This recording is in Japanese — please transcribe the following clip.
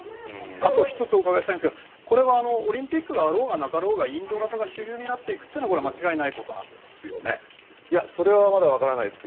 あと、１つお伺いしたいんですがこれはオリンピックがあろうがなかろうがインド型が主流になっていくということは間違いないことなんですよね。